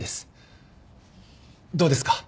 どうですか？